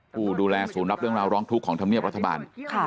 ผู้ดูแลศูนย์รับเรื่องราวร้องทุกข์ของธรรมเนียบรัฐบาล